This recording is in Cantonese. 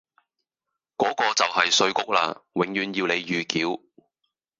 嗰個就系稅局啦，永遠要你預繳。